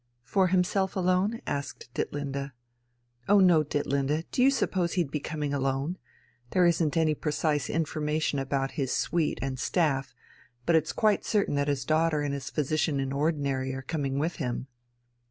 "For himself alone?" asked Ditlinde. "Oh no, Ditlinde, do you suppose he'd be coming alone? There isn't any precise information about his suite and staff, but it's quite certain that his daughter and his physician in ordinary are coming with him."